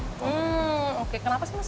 hmm oke kenapa sih mas